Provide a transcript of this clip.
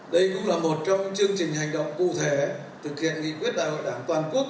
đây cũng là một trong những chương trình hành động cụ thể thực hiện nghị quyết đại hội đảng toàn quốc